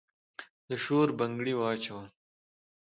د شور بنګړي واچول